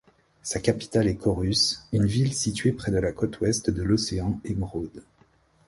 Sa capitale est Corus, une ville située près la côte ouest de l'océan Emeraude.